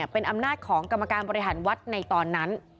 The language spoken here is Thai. เป็นอำนาจของกรรมการบริหารวัดในตอนนั้น